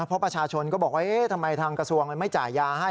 เพราะประชาชนก็บอกว่าทำไมทางกระทรวงไม่จ่ายยาให้